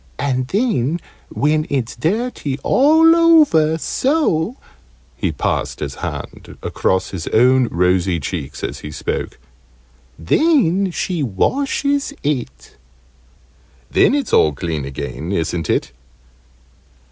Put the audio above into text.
And then, when it's dirty all over so " (he passed his hand across his own rosy cheeks as he spoke) "then she washes it." "Then it's all clean again, isn't it?"